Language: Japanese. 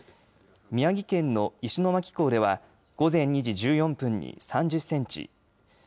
宮城県の石巻港では午前２時１４分に３０センチ。